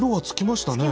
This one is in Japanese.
つきました。